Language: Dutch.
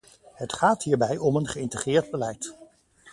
Het gaat hierbij om een geïntegreerd beleid.